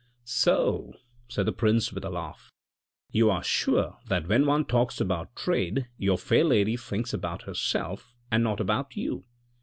" So," said the prince with a laugh, " you are sure that when one talks about trade your fair lady thinks about herself and not about you.